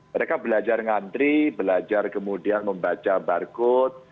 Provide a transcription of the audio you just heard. mereka belajar ngantri belajar kemudian membaca barcode